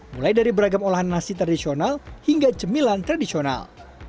mulai dari beragam olahan nasi tradisional hingga cemilan tradisional